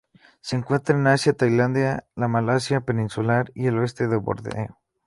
Se encuentra en Asia: Tailandia, la Malasia peninsular y el oeste de Borneo.